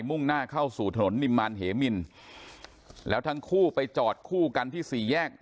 ่งหน้าเข้าสู่ถนนนิมมารเหมินแล้วทั้งคู่ไปจอดคู่กันที่สี่แยก